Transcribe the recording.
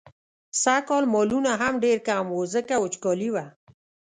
سږکال مالونه هم ډېر کم وو، ځکه وچکالي وه.